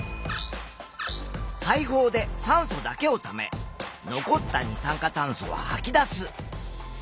肺胞で酸素だけをため残った二酸化炭素ははき出す。